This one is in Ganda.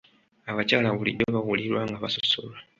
Abakyala bulijjo bawulirwa nga basosolwa.